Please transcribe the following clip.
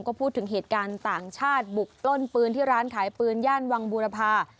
ก็พูดถึงเหตุการณ์ต่างชาติบุกปล้นปืนที่ร้านขายปืนย่านวังบูรพา